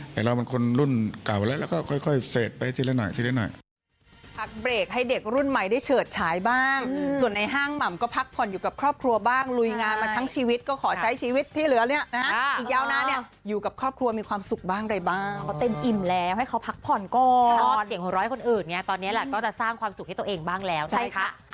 เราเป็นคนรุ่นเก่าแล้วเราก็ค่อยเสร็จไปทีละหน่อยทีละหน่อย